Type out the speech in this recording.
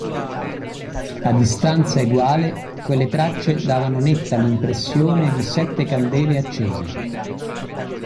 A distanza eguale, quelle tracce davano netta l'impressione di sette candele accese.